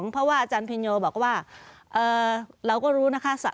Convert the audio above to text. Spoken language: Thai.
เพราะว่าอาจารย์พินโยบอกว่าเราก็รู้นะคะ